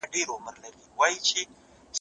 هغه وويل چي کار مهم دي!!